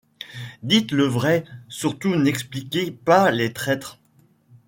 Dites le vrai. Surtout n'expliquez pas les traîtres !